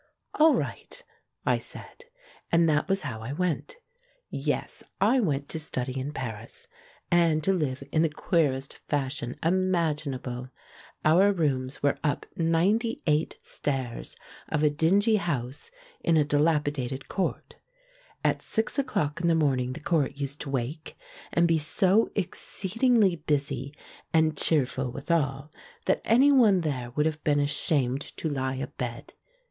"All right," I said. And that was how I went. Yes, I went to study in Paris, and to live in the queerest fashion imaginable. Our rooms were up ninety eight stairs of a dingy house in a dilapidated court. At six o'clock in the morn ing the court used to wake, and be so exceedingly busy — and cheerful withal — that anyone there would have been ashamed to lie abed.